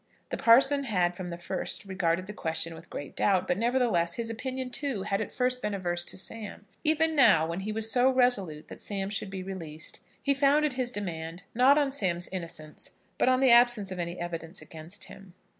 The parson had from the first regarded the question with great doubt, but, nevertheless, his opinion too had at first been averse to Sam. Even now, when he was so resolute that Sam should be released, he founded his demand, not on Sam's innocence, but on the absence of any evidence against him.